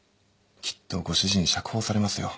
きっとご主人釈放されますよ